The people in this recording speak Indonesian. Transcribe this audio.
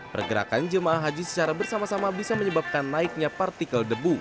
pergerakan jemaah haji secara bersama sama bisa menyebabkan naiknya partikel debu